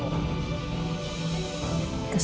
karena aku kuat